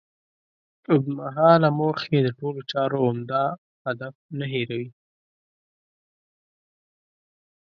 اوږد مهاله موخې د ټولو چارو عمده هدف نه هېروي.